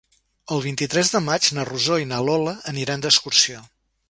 El vint-i-tres de maig na Rosó i na Lola aniran d'excursió.